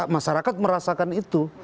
masyarakat merasakan itu